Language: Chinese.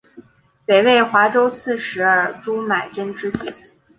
北魏华州刺史尔朱买珍之子。